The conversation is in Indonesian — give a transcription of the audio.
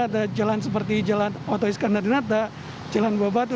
ada jalan seperti jalan oto iskandarinata jalan bawabatu